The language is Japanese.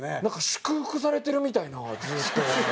祝福されてるみたいなずっと。